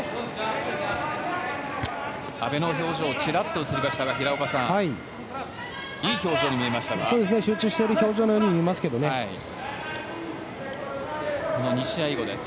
阿部の表情ちらっと映りましたが集中している表情のようにこの２試合後です。